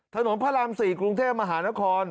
ถนนพระราม๔กรุงเทพมหานคร